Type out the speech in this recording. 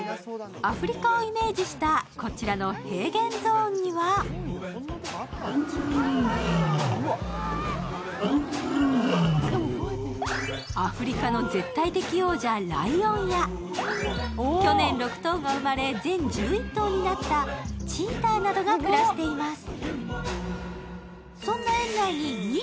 アフリカをイメージしたこちらの平原ゾーンにはアフリカの絶対的王者・ライオンや去年６頭が生まれ全１１頭になったチータなどが暮らしています。